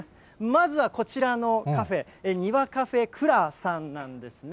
まずはこちらのカフェ、庭カフェクラさんなんですね。